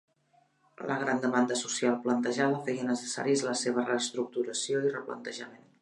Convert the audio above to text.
La gran demanda social plantejada feia necessaris la seva reestructuració i replantejament.